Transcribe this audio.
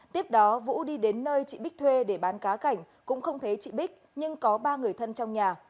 tiếp đó vũ đi đến nơi chị bích thuê để bán cá cảnh cũng không thấy chị bích nhưng có ba người thân trong nhà